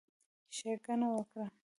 ښېګڼه وکړه،